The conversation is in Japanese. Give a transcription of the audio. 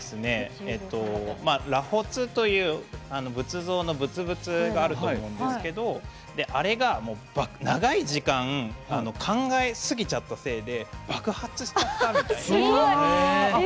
螺髪という仏像のぶつぶつがあると思うんですけどあれが長い時間考えすぎちゃったせいで爆発しちゃったみたいな。